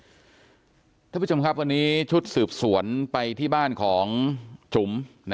คุณผู้ชมครับวันนี้ชุดสืบสวนไปที่บ้านของจุ๋ม